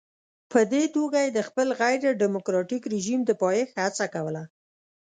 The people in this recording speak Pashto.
په دې توګه یې د خپل غیر ډیموکراټیک رژیم د پایښت هڅه کوله.